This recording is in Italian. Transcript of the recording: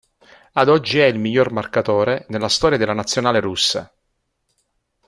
Ad oggi è il miglior marcatore nella storia della Nazionale russa.